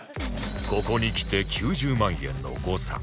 ここにきて９０万円の誤差